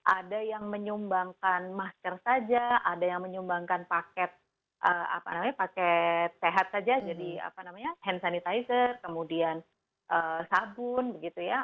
ada yang menyumbangkan masker saja ada yang menyumbangkan paket apa namanya paket sehat saja jadi hand sanitizer kemudian sabun begitu ya